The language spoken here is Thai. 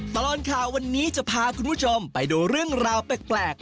ตลอดข่าววันนี้จะพาคุณผู้ชมไปดูเรื่องราวแปลก